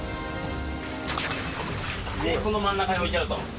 この真ん中に置いちゃうと。